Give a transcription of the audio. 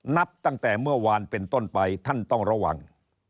นับตั้งแต่เมื่อวานเป็นต้นไปท่านต้องระวัง